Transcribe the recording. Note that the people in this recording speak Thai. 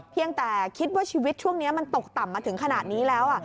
เพียงแต่คิดว่าชีวิตช่วงนี้มันตกต่ำมาถึงขนาดนี้แล้ว